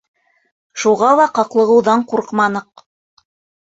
Шуға ла ҡаҡлығыуҙан ҡурҡманыҡ.